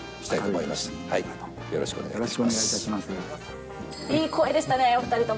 いい声でしたねー、お２人とも。